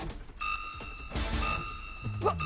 うわっ！